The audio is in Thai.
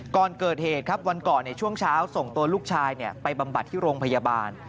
ก่อนเกิดเหตุครับวันก่อนในช่วงเช้าส่งตัวลูกชายไปบำบัดที่โรงพยาบาล